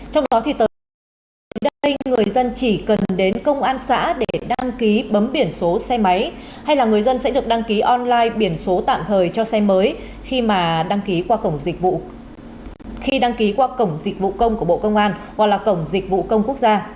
trong đó thì tới đây người dân chỉ cần đến công an xã để đăng ký bấm biển số xe máy hay là người dân sẽ được đăng ký online biển số tạm thời cho xe mới khi mà đăng ký qua cổng dịch vụ công của bộ công an hoặc là cổng dịch vụ công quốc gia